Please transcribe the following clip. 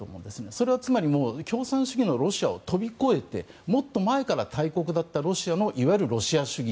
それはつまり共産主義のロシアを飛び越えて、もっと前から大国だったロシアのいわゆるロシア主義